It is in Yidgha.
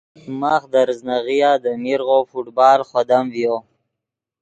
ماخ دے ریزناغیا دے میرغو فٹبال خودم ڤیو